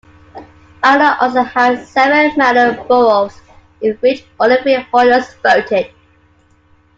Ireland also had seven "manor boroughs", in which only freeholders voted.